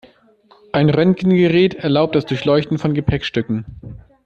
Ein Röntgengerät erlaubt das Durchleuchten von Gepäckstücken.